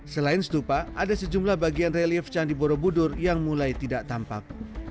selain stupa ada sejumlah bagian relief candi borobudur yang mulai tidak tampak